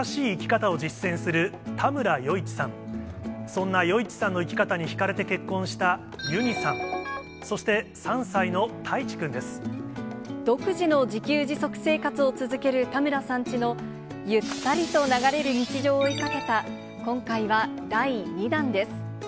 そんな余一さんの生き方に引かれて結婚したユニさん、そして３歳独自の自給自足生活を続ける田村さんチの、ゆったりと流れる日常を追いかけた今回は第２弾です。